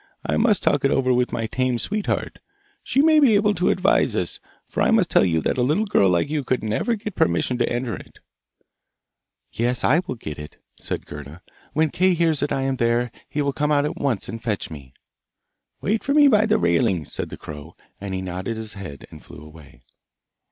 I must talk it over with my tame sweetheart. She may be able to advise us, for I must tell you that a little girl like you could never get permission to enter it.' 'Yes, I will get it!' said Gerda. 'When Kay hears that I am there he will come out at once and fetch me!' 'Wait for me by the railings,' said the crow, and he nodded his head and flew away.